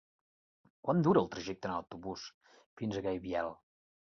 Quant dura el trajecte en autobús fins a Gaibiel?